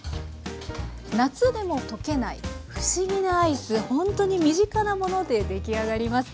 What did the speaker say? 夏でも溶けない不思議なアイスほんとに身近なもので出来上がります。